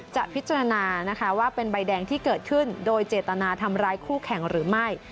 จะพิจารณานะคะว่าเป็นใบแดงที่เกิดขึ้นโดยเจตนาทำร้ายคู่แข่งหรือไม่